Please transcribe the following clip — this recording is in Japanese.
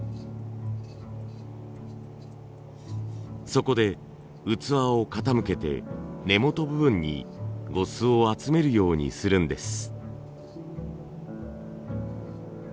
そこで器を傾けて根元部分に呉須を集めるようにするんです。